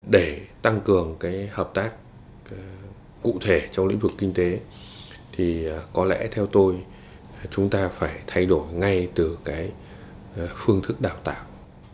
để tăng cường hợp tác cụ thể trong lĩnh vực kinh tế có lẽ theo tôi chúng ta phải thay đổi ngay từ phương thức đào tạo